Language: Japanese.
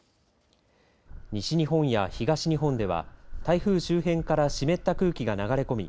西日本や東日本では台風周辺から湿った空気が流れ込み